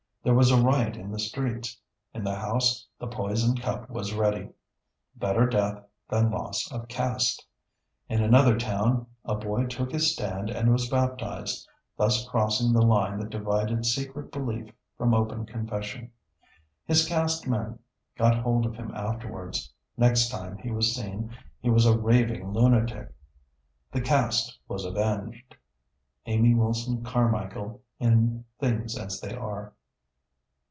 There was a riot in the streets; in the house the poison cup was ready. Better death than loss of Caste. In another town a boy took his stand and was baptized, thus crossing the line that divided secret belief from open confession. His Caste men got hold of him afterwards; next time he was seen he was a raving lunatic. The Caste was avenged! (Amy Wilson Carmichael in "Things as They Are.")